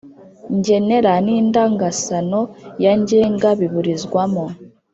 ngenera n’indangasano ya ngenga biburizwamo